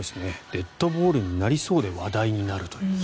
デッドボールになりそうで話題になるという。